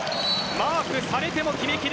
マークされても決めきる。